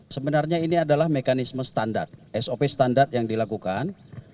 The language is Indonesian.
sebenarnya ini adalah mekanisme standar sop standar yang dilakukan